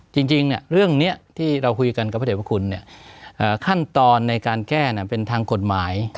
จริงเรื่องนี้ที่เราคุยกันกับพระเด็จพระคุณขั้นตอนในการแก้เป็นทางกฎหมาย